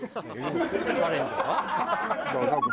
チャレンジャー？